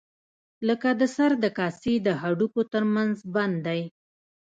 لکه د سر د کاسې د هډوکو تر منځ بند دی.